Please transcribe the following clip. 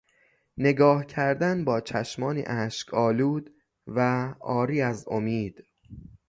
نگاه کردن با چشمانی اشک آلود و عاری از امید